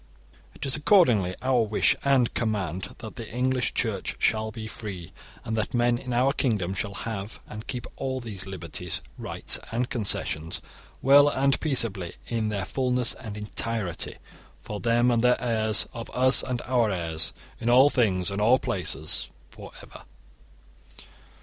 IT IS ACCORDINGLY OUR WISH AND COMMAND that the English Church shall be free, and that men in our kingdom shall have and keep all these liberties, rights, and concessions, well and peaceably in their fulness and entirety for them and their heirs, of us and our heirs, in all things and all places for ever.